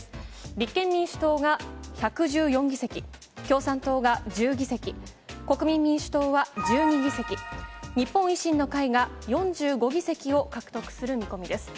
立憲民主党が１１４議席、共産党が１０議席、国民民主党は１２議席、日本維新の会が４５議席を獲得する見込みです。